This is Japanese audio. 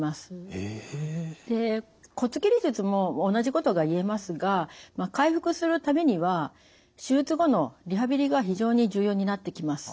へえ！で骨切り術も同じことが言えますが回復するためには手術後のリハビリが非常に重要になってきます。